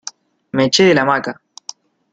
me eché de la hamaca.